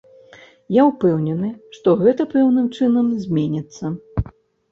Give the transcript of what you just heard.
Я ўпэўнены, што гэта пэўным чынам зменіцца.